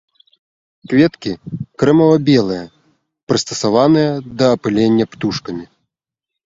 Кветкі крэмава-белыя, прыстасаваныя да апылення птушкамі.